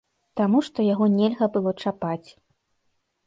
Таму што яго нельга было чапаць.